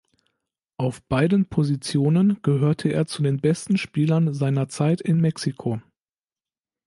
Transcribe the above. Auf beiden Positionen gehörte er zu den besten Spielern seiner Zeit in Mexiko.